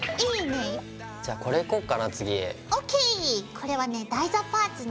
これはね台座パーツね。